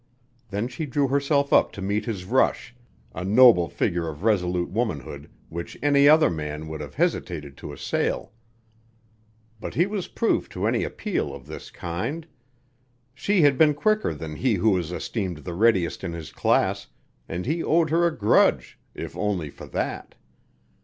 Then she drew herself up to meet his rush, a noble figure of resolute womanhood which any other man would have hesitated to assail. But he was proof to any appeal of this kind. She had been quicker than he who was esteemed the readiest in his class, and he owed her a grudge, if only for that.